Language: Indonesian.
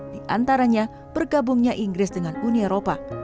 diantaranya bergabungnya inggris dengan uni eropa